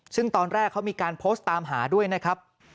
ซึ่งตอนแรกเขามีการโพสต์ตามหาด้วยนะครับ